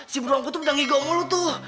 si buruan gue tuh bedah ngigong lo tuh